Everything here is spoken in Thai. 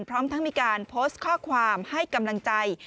พร้อมทั้งมีการโพสต์ข้อความให้กำลังใจ